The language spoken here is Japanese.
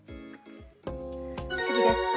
次です。